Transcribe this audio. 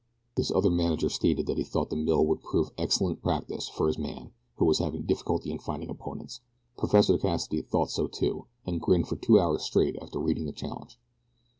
This other manager stated that he thought the mill would prove excellent practice for his man who was having difficulty in finding opponents. Professor Cassidy thought so too, and grinned for two hours straight after reading the challenge.